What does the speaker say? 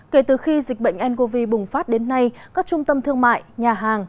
kể từ khi dịch bệnh ncov bùng phát đến nay các trung tâm thương mại nhà hàng